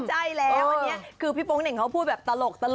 ใช่แล้วอันนี้คือพี่โป๊งเหน่งเขาพูดแบบตลก